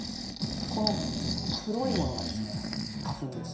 この黒いものがですね花粉です。